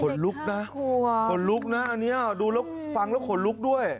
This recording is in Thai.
ลุกนะขนลุกนะอันนี้ดูแล้วฟังแล้วขนลุกด้วย